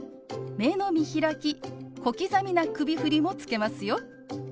目の見開き小刻みな首振りもつけますよ。